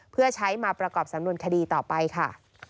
เพื่อใช้มาประกอบสำนวนคดีต่อไปค่ะ